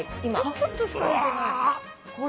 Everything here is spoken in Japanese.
ちょっとしか入れてない。